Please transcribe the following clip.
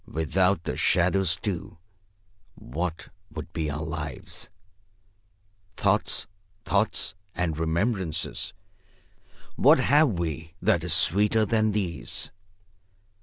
"Without the shadows, too, what would be our lives? Thoughts, thoughts and remembrances, what have we that is sweeter than these?